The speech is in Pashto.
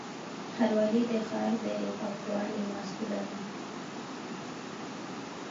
ښاروالي د ښار د پاکوالي مسووله ده